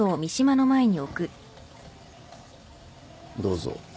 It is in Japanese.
どうぞ。